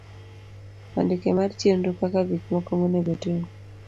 Andike mar chenro kaka gik moko monego otim.